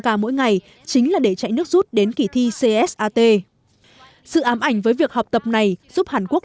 ca mỗi ngày chính là để chạy nước rút đến kỳ thi csat sự ám ảnh với việc học tập này giúp hàn quốc